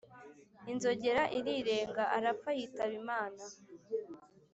inzogera irirenga: arapfa, yitaba imana.